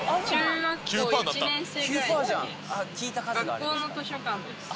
学校の図書館です。